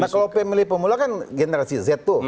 nah kalau pemilih pemula kan generasi z tuh